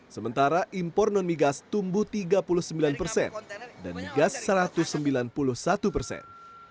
sementara impor non migas tumbuh tiga puluh sembilan persen dan migas satu ratus sembilan puluh satu persen